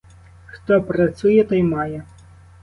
Хто працює, той має.